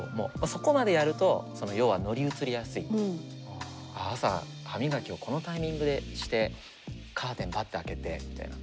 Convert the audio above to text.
そこまでやると要は朝歯磨きをこのタイミングでしてカーテンバッて開けてみたいな。